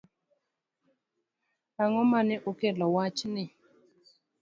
Ang'o mane okelo wach ni?